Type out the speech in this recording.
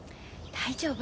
大丈夫。